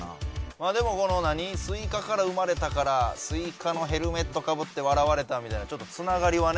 まあでもこの何スイカから生まれたからスイカのヘルメットかぶって笑われたみたいなちょっとつながりはね。